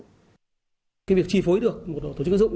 cái việc tri phối được một tổ chức tín dụng